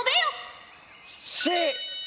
Ｃ！